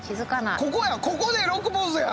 ここでロックポーズやん。